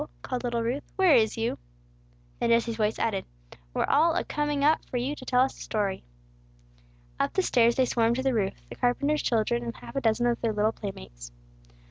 called little Ruth, "where is you?" Then Jesse's voice added, "We're all a coming up for you to tell us a story." Up the stairs they swarmed to the roof, the carpenter's children and half a dozen of their little playmates.